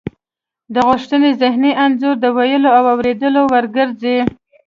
د غوښتنې ذهني انځور د ویلو او اوریدلو وړ ګرځي